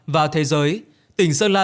và thế giới tỉnh sơn la